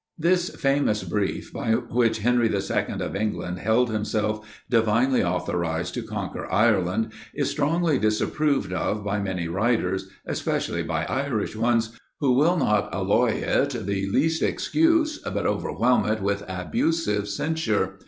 This famous brief, by which Henry II. of England held himself divinely authorized to conquer Ireland, is strongly disapproved of by many writers, especially by Irish ones; who will not alloy it the least excuse, but overwhelm it with abusive censure.